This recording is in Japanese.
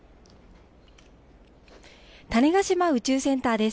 種子島宇宙センターです。